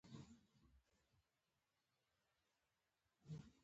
فلم باید د یووالي پیغام ورکړي